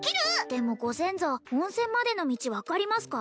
でもご先祖温泉までの道分かりますか？